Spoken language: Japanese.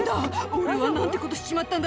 俺は何てことしちまったんだ」